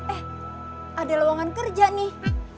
eh ada lowongan kerja nih